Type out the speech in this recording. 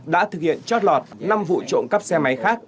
đã thực hiện trót lọt năm vụ trộm cắp xe máy khác